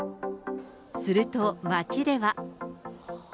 すると、街では。